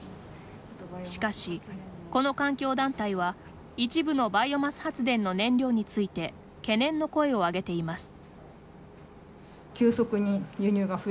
しかしこの環境団体は一部のバイオマス発電の燃料について懸念の声を上げています。